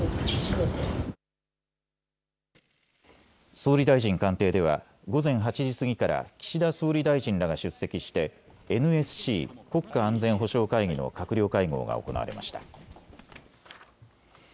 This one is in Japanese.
総理大臣官邸では午前８時過ぎから岸田総理大臣らが出席してＮＳＣ・国家安全保障会議の閣僚会合が行われました。